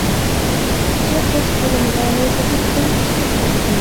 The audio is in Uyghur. كۈتكۈچى قىز قورۇمىلارنى تىزىپ قۇيۇپ چىقىپ كەتتى.